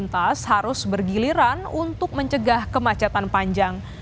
kondisi yang melintas harus bergiliran untuk mencegah kemacetan panjang